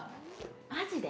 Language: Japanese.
マジで？